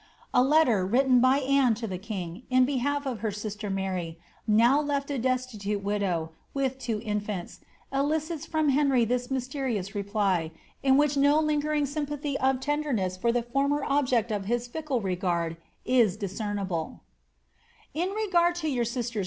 A letter, written by Anne to the king, in behalf of her sister Maiy, now left a destitoce widow, with two in&nts, elicits from Henry this mysterious reply, in which no lingering sympathy of tenderness for the former object of his fickle regard is discernible ^«In regard to yoar sister*!